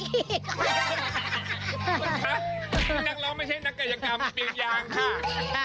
คุณครับนักร้องไม่ใช่นักกายกรรมกรีดยางค่ะ